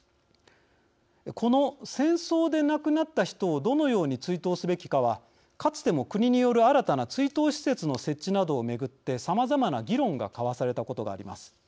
この戦争で亡くなった人をどのように追悼すべきかはかつても国による新たな追悼施設の設置などを巡ってさまざまな議論が交わされたことがあります。